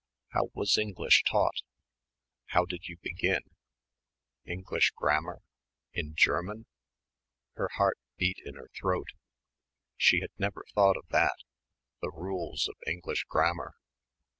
How was English taught? How did you begin? English grammar ... in German? Her heart beat in her throat. She had never thought of that ... the rules of English grammar?